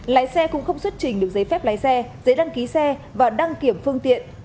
lái xe cũng không xuất trình được giấy phép lái xe giấy đăng ký xe và đăng kiểm phương tiện